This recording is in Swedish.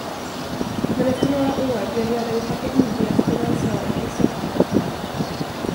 Men efter några år blev jag den kanske ivrigaste dansören i socknen.